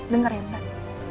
dengar ya mbak